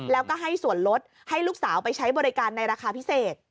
แล้วก็ให้ส่วนลดให้ลูกสาวไปใช้บริการในราคาพิเศษ